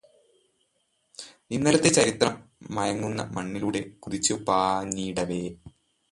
ഇന്നലത്തെ ചരിത്രം മയങ്ങുന്ന മണ്ണിലൂടെ കുതിച്ചുപാഞ്ഞീടവെ